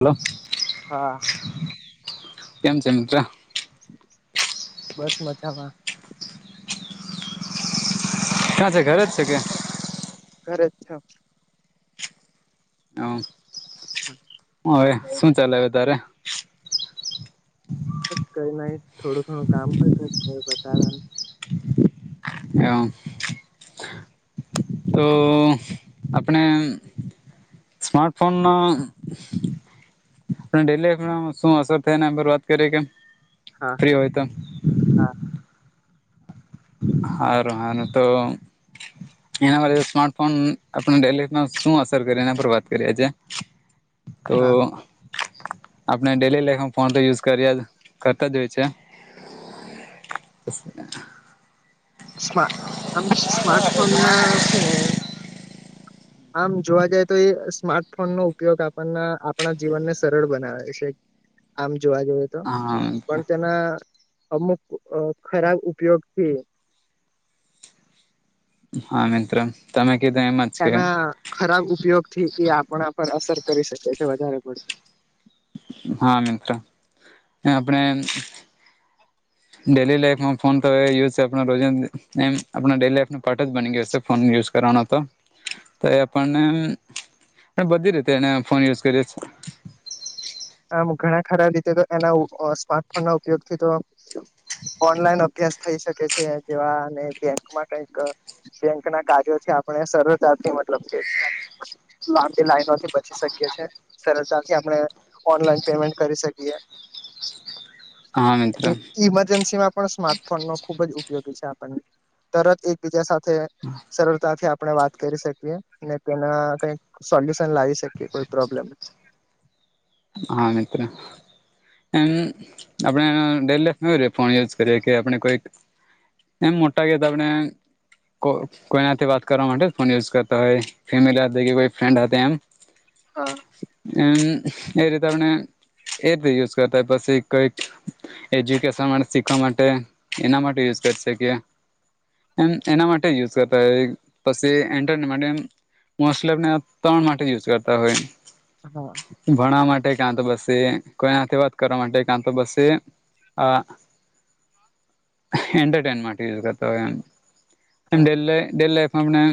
Hello. હા. કેમ છે મિત્ર? બસ મજામાં. કયાં છે? ઘરે જ છે કે? ઘરે જ છોવ. હા. [inaudible] હો હવે શું ચાલે હવે તારે? બસ કઈ નહીં થોડું ઘણું કામ હોય [unintelligible] આમ તો આપને સ્માર્ટફોનના આપણે ડેલી લાઈફ માં શું અસર થાય એના પર વાત કરીએ કે? હા ફ્રી હા હોય તો હા. હારું હાનું તો એના માટે સ્માર્ટફોન આપણે ડેલી લાઈફમાં શું અસર કરે એના પર વાત કરીએ છે. તો હા આપને ડેલી લાઇફમાં ફોન તો યુઝ કર્યા કરતા જ હોય છે. [inaudible] સ્માર્ટ [unintelligible] સ્માર્ટફોન ના છે ને [inaudible] આમ જોવા જાય તો એ સ્માર્ટફોનનો ઉપયોગ આપણના આપણા જીવનને સરળ બનાવે છે. આમ જોવા જઈએ તો હા પણ તેના અમુક ખરાબ ઉપયોગથી હા મિત્ર તમે કીધું એમ જ કે એના ખરાબ ઉપયોગ થી એ આપણા પર અસર કરી શકે છે વધારે પડતી હા મિત્ર ને આપણે ડેલી લાઈફમાં ફોન તો એ યુઝ એ આપણા રોજિંદ એમ ડેલી લાઈફ નો પાર્ટ જ બની ગયો સે ફોન યુઝ કરવાનો તો. તો એ આપણ ને બધી રીતે એને ફોન યુઝ કરીએ છે. આમ ઘણા ખરા રીતે તો એના ઉ આ સ્માર્ટફોન ના ઉપયોગથી તો ઓનલાઈન અભ અભ્યાસ થઈ શકે છે જેવા ને બેંક માં કઈક બેંક ના કાર્યો છે આપણે સરળતાથી મતલબ કે લાંબી લાઈનોથી બચી શકીએ છીએ સરળતાથી આપણે ઓનલાઈન પેમેન્ટ કરી શકીએ. હા મિત્ર એ ઈમરજન્સી માં પણ સ્માર્ટફોન નો ખુબ જ ઉપયોગી છે આપણને. તરત એકબીજા સાથે સરળતાથી આપણે વાત કરી શકીએ અને તેના કંઈક સોલ્યુશન લાવી શકીએ કોઈ પ્રોબ્લેમ હા મિત્ર. એમ આપણેે ડેલી લાઈફ [unintelligible] ફોન યુઝ કરીએ કે આપણે કોઈક એમ મોટા ગયા તો આપને કો કોઈનાથી વાત કરવા માટે ફોન યુઝ કરતા હોય. ફેમિલી આતે કે ભઈ કોઈ ફ્રેન્ડ આતે એમ હા. એમ એ રીતે આપણને એ રીતે યુઝ કરતા હોય પછી કંઈક એજ્યુકેશન માટે શીખવા માટે એના માટે યુઝ કરશે કે એમ એના માટે યુઝ કરતા હોય પસી એન્ટર [unintelligible] એમ [unintelligible] માટે યુઝ કરતા હોય. હા. ભણાવવા માટે કાં તો પસી કોઈ હતે વાત કરવા માટે કાં તો પસી આ એન્ટરટેનમેન્ટ માટે યુઝ કરતા હોય એમ. [unintelligible] હા ડેલી લાઈફમાં આપણે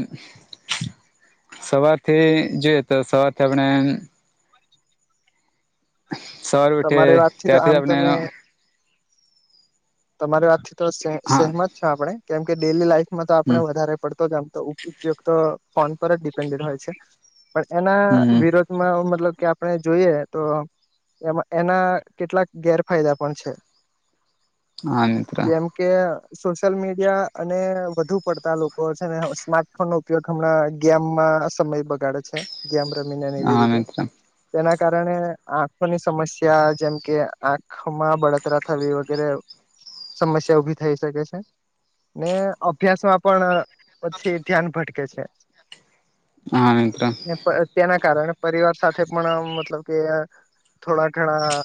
સવારથી જોઈએ તો સવારથી આપણે સવારે ઉઠે તમારી વાતથી તો ત્યાથી આમ તમને તમે એનો તમારી વાતથી થી તો સે હા સહેમત છે આપણે કેમ કે ડેલી લાઈફમાં તો આપણે હમ વધારે પડતો જ આમ તો ઉપ ઉપયોગ તો ફોન પર જ ડિપેન્ડેડ હોય છે પણ એના હમ વિરુદ્ધ એમાં મતલબ કે આપણે જોઈએ તો એમાં એના કેટલાક ગેરફાયદા પણ છે. હા એ જેમ કે સોશિયલ મીડિયા અને વધુ પડતા લોકો છે ને સ્માર્ટફોન નો ઉપયોગ હમણાં ગેમમાં સમય બગાડે છે ગેમ રમીને ને એવી હા રીતે મિત્ર તેના કારણે આંખોની સમસ્યા જેમ કે આંખ ખમા બળતરા થવી વગેરે સમસ્યા ઉભી થઈ શકે છે ને અભ્યાસ માં પણ અ પછી ધ્યાન ભટકે છે હા [unintelligible] પ તેના કારણે પરિવાર સાથે પણ મતલબ કે થોડા ઘણા આ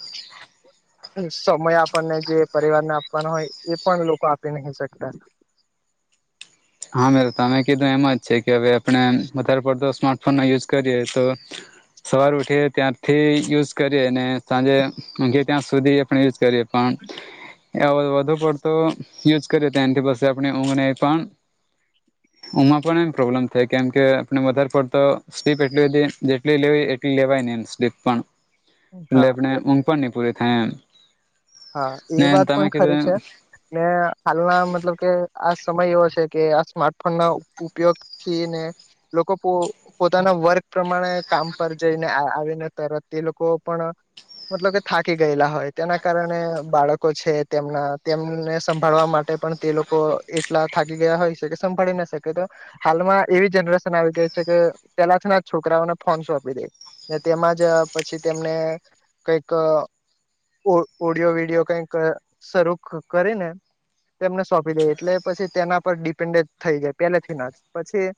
સમય આપણને જે પરિવારને આપવાનો હોય એ પણ લોકો આપી નહીં શકતા હા મે તમે કીધું એમ જ છે કે હવે આપણે વધારે પડતો સ્માર્ટફોનનો યુઝ કરીએ તો સવાર ઉઠી એ ત્યાંથી યુઝ કરીએ અને સાંજે ઊઘીએ ત્યાં સુધી અ આપણે એજ કરીએ પણ એ વધુ પડતો યુઝ કરીએ તો એન થી પછી ઊંઘને પણ [inaudible] ઊંઘમાં પણ એમ પ્રોબ્લેમ થાય કેમ કે આપણે વધારે પડતો સ્લીપ એટલી બધી જેટલી લેવી એટલી લેવાય નહી એમ સ્લીપ પણ હા એટલે ને ઊંઘ પણ નહી પૂરી થાય એમ ને તમે કીધું એમ કે હાલના મતલબ કે આ સમય એવો છે કે આ સ્માર્ટફોન ના ઉપયોગ થી ને લોકો પો પોતાના વર્ક પ્રમાણે કામ પર જઈને આ આવીને તરત એ લોકો પણ મતલબ કે થાકી ગયેલા હોય તેના કારણે બાળકો છે તેમના તેમને સંભાળવા માટે પણ તે લોકો અ એટલા થાકી ગયા હોય છે કે સંભાળી ના શકે તો હાલમાં એવી જનરેશન આવી ગઈ છે કે પેલા છે ને આ છોકરાઓને ફોન સોંપી દે ને તેમાં જ અ પછી તેમને કઈક અ ઓ ઓડિયો વિડિયો કઈક અ શરૂ ક કરે ને તેમને સોંપી દે એટલે પછી તેના પર ડિપેન્ડેડ થઈ જાય પેલેથી ના પછી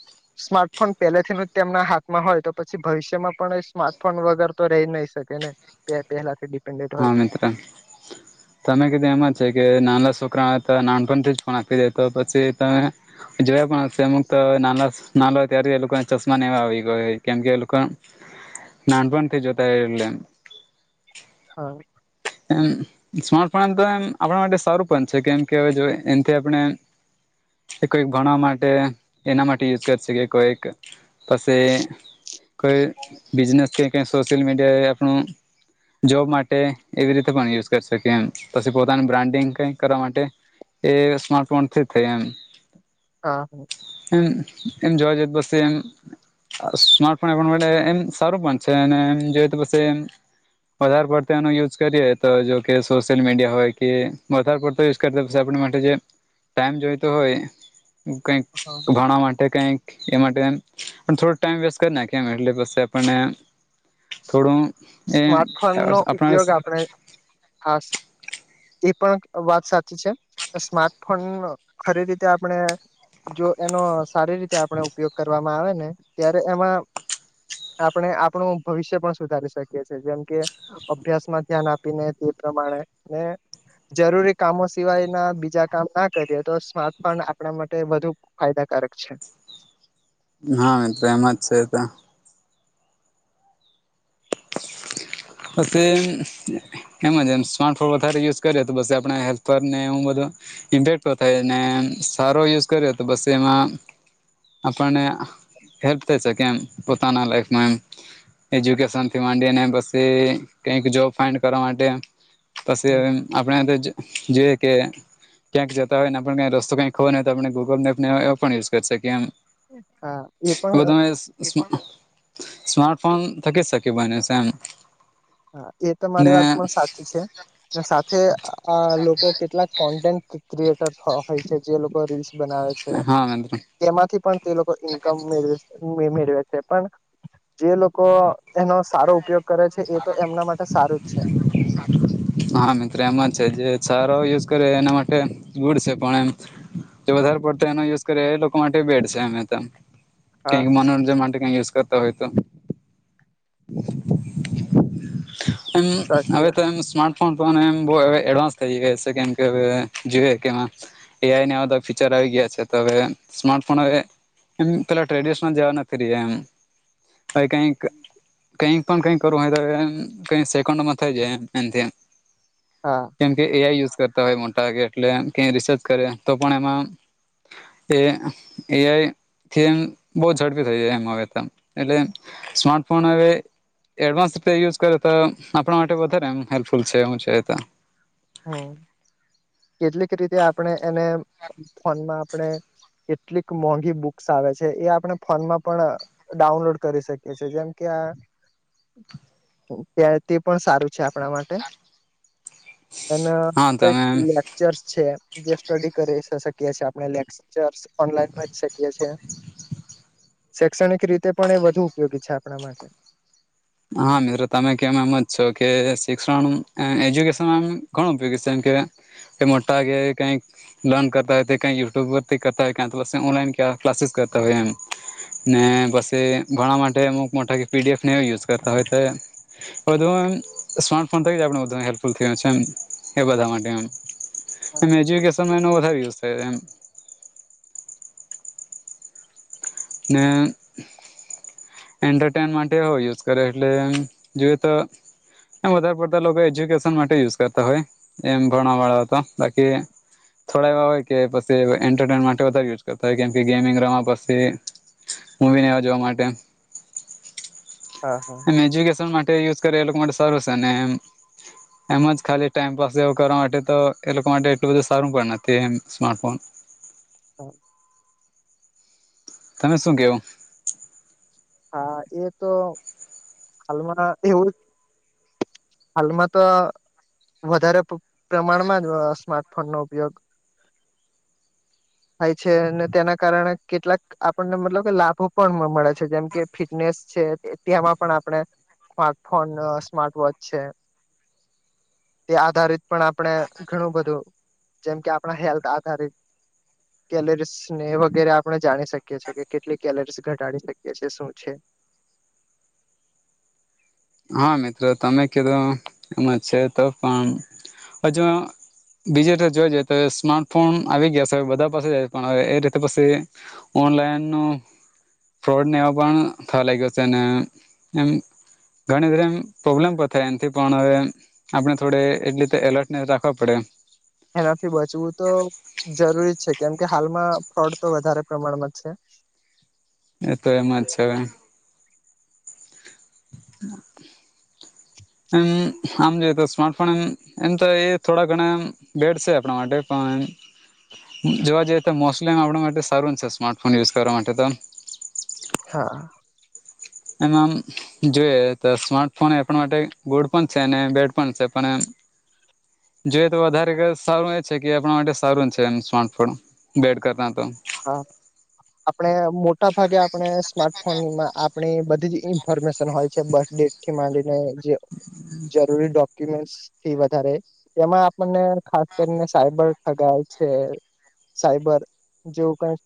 [inaudible] સ્માર્ટફોન પેલે થી નું તેમના હાથમાં હોય તો પછી ભવિષ્યમાં પણ સ્માર્ટફોન વગર તો રહી જ નહી શકે ને પે પહેલા થી હા મિત્ર તમે કીધું એમ જ છે કે નાના છોકરાઓ ને તો નાનપણથી જ ફોન આપી દે તો પછી તમે જોયા પણ હશે અમુક અ ના નાના હોય ત્યારે એ લોકોને ચશ્મા નેવા આવી ગયો કેમ કે એ લોકા નાનપણથી જોતા એટલે હા એમ સ્માર્ટફોન તો એમ આપણા માટે સારું પણ છે કેમ કે હવે જો એનથી આપણે એ કોઈક ભણવા માટે એના માટે યુઝ કર સે કે કોઈક પસી કોઈ બિઝનેસ કે સોશિયલ મીડિયા એ આપણું જોબ માટે એવી રીતે પણ યુઝ કર શકે એમ પછી પોતાનું બ્રાન્ડિંગ કઈ કરવા માટે એ સ્માર્ટ ફોન થી જ થાય એમ હા હા એમ એમ જોવા જઈ તો સેમ સ્માર્ટફોન એ આપણા માટે એમ સારું પણ છે અને એમ જોઈએ તો પસી વધારે પડતો એનો યુઝ કરીએ તો જોકે સોશિયલ મીડિયા હોય કે વધારે પડતો યુઝ કર પછી આપ માટે જે ટાઈમ જોઈ તો હોય કઈક હા ભણાવા માટે કઈક એ માટે પણ થોડો ટાઈમ વેસ્ટ કરી નાખી એમ એટલે પણ આપણને થોડું એ સ્માર્ટફોન નો આપણા ઉપયોગ આપણે થાસે એ પણ વાત સાચી છે સ્માર્ટફોન ખરી રીતે આપણે જો એનો સારી રીતે આપણે ઉપયોગ કરવામાં આવે ને ત્યારે એમાં આપણે આપણું ભવિષ્ય પણ સુધારી શકીએ. [unintelligible] જેમ કે અભ્યાસમાં ધ્યાન આપીને તે પ્રમાણે ને જરૂરી કામો સિવાય ના બીજા કામ ના કરીએ તો સ્માર્ટફોન આપણા માટે વધુ ફાયદાકારક છે. હા મિત્રો એમ જ છે તો [unintelligible] એમજ એમ સ્માર્ટફોન વધારે યુઝ કરએ તો બસ આપણા હેલ્પર ને એબધું ઇમ્પેક્ટ થાય ને સારો યુઝ કર્યો તો બસ એમાં આપણને હેલ્પ થશે કેમ પોતાના લાઈમાં એ એજ્યુકેશન થી માંડીને બસ તે કઈક જોબ ફાઈન્ડ કરવા માટે પછી આપણે તો જોઈ જે કે ક્યાંક જતા હોય ને પણ કઈ રસ્તો કંઈ ખબર નહી હોય આપ ગૂગલનેપ ને એ પણ યુઝ કરશે કેમ હા એ પણ સ્માર્ટફોન થકી જ શકી બને છે એમ હા એ તો મારી ને વાત પણ સાચી છે અને સાથે આ લોકો કેટલાક કોન્ટેન્ટ ક્રિએટર હોય છે જે લોકો રીલ્સ બનાવે છે. હા મિત્ર તેમાંથી પણ તે લોકો ઈન્કમ મેળવે મેળવે છે પણ જે લોકો એનો સારો ઉપયોગ કરે છે એ તો એમના માટે સારું જ છે. [inaudible] હા મિત્રો એમાં છે જે સારો યુઝ કરે એના માટે ગુડ છે પણ એમ જો વધારે પડતો એનો યુઝ કરે એ લોકો માટે બેડ છે એમતો હા ક્યાંક મનોરંજન માટે કઈક યુઝ કરતા હોય તો ઇ સાચી હવે વાત. તો એમ સ્માર્ટ ફન તો એમ બ એડવાન્સ થઈ ગયા છે કેમ કે જોઈએ કેમાં એઆઈ નવા તો ફીચાર આવી ગયા છે ત સ્માર્ટફોન હવે એમ પેલા ટ્રેડિશનલ જેવા નથી રહ્યા એમ ભ કઈક [inaudible] [inaudible] હા કેમ કે એઆઈ યુઝ કરતા હોય મોટા કે એટલે કે રિસર્ચ કરે તો પણ એમાં એ એઆઈથી એમ બહુ ઝડપી થઈ એમ હ એટલે સ્માર્ટફોન હવે એડવાન્સ યુઝ [unintelligible] આપણા માટે વધારે એમ હેલ્પફુલ છે એમ જોઈતો હમ કેટલીક રીતે આપણે એને ફોનમાં આપણે કેટલીક મોંઘી બુક્સ આવે છે એ આપણે ફોનમાં પણ ડાઉનલોડ કરી શકીએ છી જેમ કે આ ત્યારે તે પણ સારું છે આપણા માટે એના હા કઈક તમે લેકચર્સ છે જે સ્ટડી કરી શકીએ છીએ આપણે લે લેક્ચર ઓનલાઈન કરી શકીએ છીએ શૈક્ષણિક રીતે પણ એ વધુ ઉપયોગી છે આપણા માટે હા મિત્રો તમે કેમ એમ જ છેકે શિક્ષણ એજ્યુકેશનમાં એ ઘણો ઉપયોગી છે જેમકે એ મોટા કેે કઈ લોન કરતા હોય તે કંઈ યુટ્યુબ પરથી કરતા હોય ક તો બ ઓનલાઈન ક્લાસીસ કરતા હોય એમ ને પછી ઘણા માટે અમુક મોટા પીડીએફ ને યુઝ કરતા હોય તો બધું એમ સ્માર્ટફોન થકી જ આપણે બધું હેલ્પફુલ થય છે એમ એ બધા માટે એમ હા એમ એજ્યુકેશનમાં એનો વધ યુઝ થાય એમ ને એન્ટરટેન માટે હો યુઝ કરે એટલે જોઈએ તો એમ વધારે પડતા લોકો એજ્યુકેશન માટે યુઝ કરતા હોય એમ ભણવા વાળો તો બાકી થોડા એવા હોય કે પછી એન્ટરટેનમેન્ટ વધ યુઝ કરતા હોય કેમ કે ગેમિંગ રમવા પછી મુવીને જોવા માટે, હા. એમ એજ્યુકેશન માટે યુઝ કરે એ લોકો માટે સારું છે ને એવું, એવું જ ખાલી ટાઈમપાસ કરવા માટે તો એ લોકો માટે એટલું બધું સારું પણ નથી એવું સ્માર્ટફોન. હા. તમે શું કેવું, હા એ તો હાલમાં એવું જ, હાલમાં તો, વધારે પ્રમાણમાં જ સ્માર્ટફોનનો ઉપયોગ, [inaudible] થાય છે અને તેના કારણે કેટલાક આપણને મતલબ કે લાભો પણ મળે છે જેમ, કે ફિટનેસ છે તેમાં પણ આપણે સ્માર્ટ ફોન સ્માર્ટ વોચ છે. તે આધારિત પણ આપણે ઘણું બધું, જેમ કે આપણા હેલ્થ આધારિત, કેલરીસ ને વગેરે આપણે જાણી શકીએ છીએ કેટલી કેલરીઝ ઘટાડી શકીએ છીએ, શું છે? હા મિત્રો તમે કહ્યું એમાં છે તો પણ હજુ, બીજી રીતે જોવા જઈ તો સ્માર્ટ ફોન આવી ગયા છે બધા પાસે જાય પણ હવે એ રીતે પછી, ઓનલાઈન ફ્રોડને એવા પણ થવા લાગ્યો છે એવું, ઘણી બધી એમ પ્રોબ્લેમ પણ થાય એમથી પણ હવે આપણે થોડે રીતે એલર્ટનેસ રાખવા પડે, એનાથી બચવું તો જરૂરી છે કેમકે હાલમાં ફ્રોડ તો વધારે પ્રમાણમાં છે. એ તો એમ જ છે હવે, હા. [inaudible] એવું આમ જોઈએ તો સ્માર્ટફોન એવું તો એ થોડા ઘણા એ, બેડ છે આપણા માટે પણ, જોવા જઈએ તો મોસ્ટલીમ આપણા માટે સારું છે સ્માર્ટફોન યુઝ કરવા માટે તો, હા. એમાં જોઈએ તો સ્માર્ટફોન એ માટે ગુડ પણ છે અને બેડ પણ છે પણ એ. જોઈએ તો વધારે સારું એ છે કે આપણા માટે સારું છે એમ સ્માર્ટફોન. બેડ કરતા તો, હા. આપણે મોટા ભાગે આપણે સ્માર્ટફોનમાં આપણી બધી જ ઇન્ફોર્મેશન, હોય છે બેટથી માંડીને જે, હમ. જરૂરી ડોક્યુમેન્ટ્સ, થી વધારે એમાં આપણને ખાસ કરીને સાયબર ઠગાર છે. સાયબર, જેવું કઈક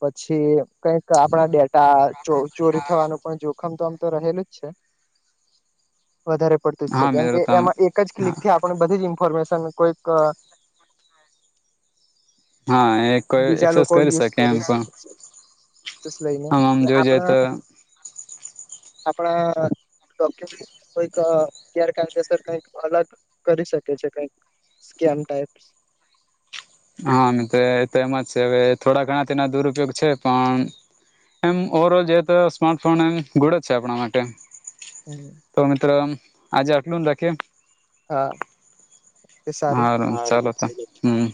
પછી કઈક આપણા ડેટા ચોરી થવાનું પણ જોખમ તો આમ તો રહેલું જ છે વધારે પડ, છે હા કેમ મેરો કે તમે એમાં એક જ હા ક્લિકથી આપણે બધી જ ઇન્ફોર્મેશન કોઈક, હા એક, કોઈ બીજા એક્સેસ લોકો કરી યુઝ શકે એમ પણ શકે લઈને આમ જોવા જાય આપણા તો, [inaudible] આપણા ડોક્યુમેન્ટ, કોઈક ગેરકાયદેસર કઈક અલગ કરી શકે છે. કઈક, સ્કેમ ટાઈપ, હા તો તો એમ જ છે. હવે થોડા ઘણા તેના દુરુપયોગ છે. પણ, એમ ઓવર ઓલ જે તો સ્માર્ટફોન એમ ગુડ જ છે. આપણા માટે, હમ [inaudible] તો મિત્રોમ આજે આટલું રાખીએ હા તે સારુ હારું ચાલો તો હમ